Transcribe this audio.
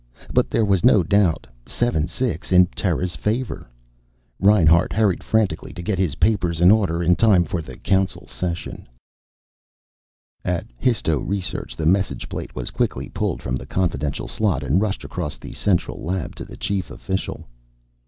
But there was no doubt. 7 6. In Terra's favor. Reinhart hurried frantically to get his papers in order, in time for the Council session. At histo research the message plate was quickly pulled from the confidential slot and rushed across the central lab to the chief official.